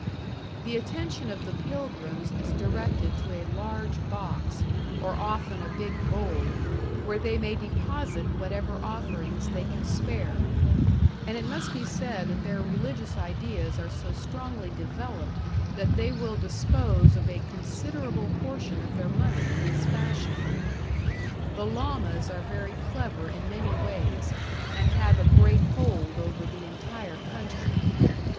... The attention of the pilgrims is directed to a large box, or often a big bowl, where they may deposit whatever offerings they can spare, and it must be said that their religious ideas are so strongly developed that they will dispose of a considerable portion of their money in this fashion.... The Lamas are very clever in many ways, and have a great hold over the entire country.